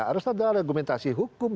harus ada argumentasi hukum